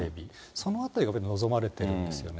そのあたりが望まれてるんですよね。